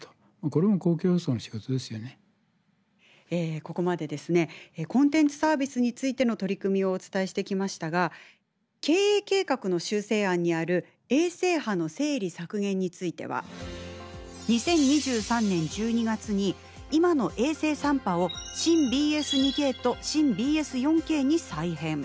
ここまでですねコンテンツサービスについての取り組みをお伝えしてきましたが経営計画の修正案にある「衛星波の整理・削減」については２０２３年１２月に今の衛星３波を新ＢＳ２Ｋと新ＢＳ４Ｋに再編。